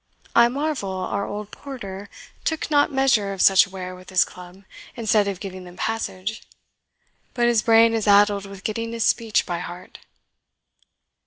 I marvel our old porter took not measure of such ware with his club, instead of giving them passage; but his brain is addled with getting his speech by heart."